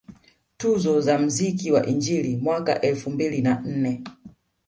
Tuzo za mziki wa injili mwaka elfu mbili na nne